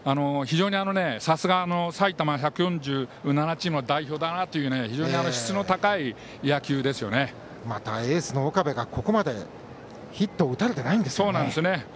さすが、埼玉１４７チームの代表だなというまたエースの岡部がここまでヒットを打たれていないんですね。